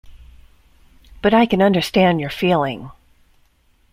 But I can understand your feeling.